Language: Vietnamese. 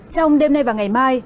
trong đêm nay và ngày mai